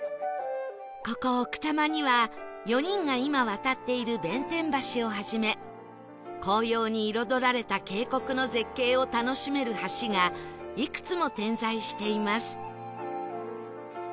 ここ奥多摩には４人が今渡っている弁天橋をはじめ紅葉に彩られた渓谷の絶景を楽しめる橋がいくつも点在しています